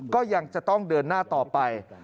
ก็ยังจะต้องเดินหน้าต่อไป